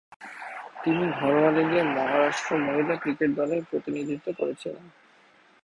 তিনি ঘরোয়া লিগে মহারাষ্ট্র মহিলা ক্রিকেট দলের প্রতিনিধিত্ব করেছিলেন।